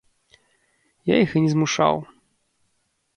Я іх і не змушаў.